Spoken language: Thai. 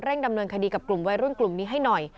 ดำเนินคดีกับกลุ่มวัยรุ่นกลุ่มนี้ให้หน่อย